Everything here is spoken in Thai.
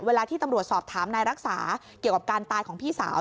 เวลาที่ตำรวจสอบถามนายรักษาเกี่ยวกับการตายของพี่สาว